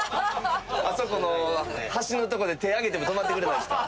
あそこの橋の所で手上げても止まってくれないんですか？